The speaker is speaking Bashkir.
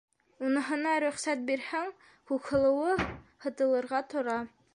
Уныһына рөхсәт бирһәң, Күкһылыуы һытылырға тора.